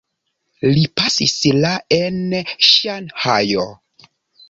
Li pasis la en Ŝanhajo.